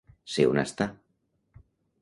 Sé on està.